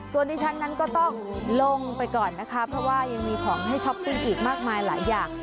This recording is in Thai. ส่วนที่ฉันนั้นก็ต้องลงไปก่อนนะคะเพราะว่ายังมีของให้ช้อปปิ้งอีกมากมายหลายอย่าง